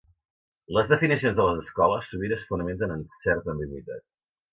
Les definicions de les escoles sovint es fonamenten en certa ambigüitat.